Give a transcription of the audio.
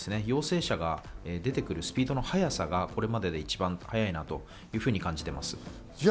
陽性者が出てくるスピードの速さがこれまでで一番速いなと感じています。